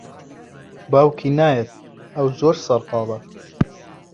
باوکی نایەت، ئەو زۆر سەرقاڵە.